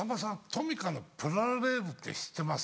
トミカのプラレールって知ってます？